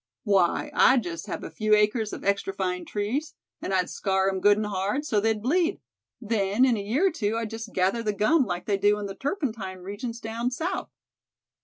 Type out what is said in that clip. "Why, I'd just have a few acres of extra fine trees, and I'd scar 'em good and hard, so they'd bleed. Then, in a year or two, I'd just gather the gum, like they do in the turpentine regions down South."